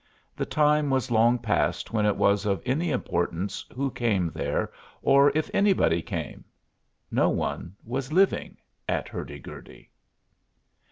The time was long past when it was of any importance who came there, or if anybody came. No one was living at Hurdy Gurdy.